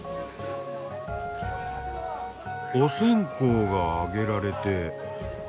お線香が上げられて。